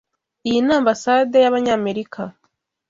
Iyi ni Ambasade y'Abanyamerika.